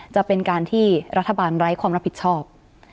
จะเป็นการที่รัฐบาลไร้ความรับผิดชอบ